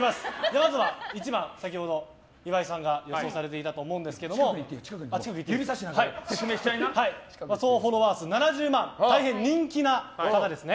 まずは１番岩井さんが予想されていたと思うんですが総フォロワー数７０万と大変人気な方です。